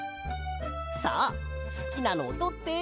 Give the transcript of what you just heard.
さあすきなのをとって。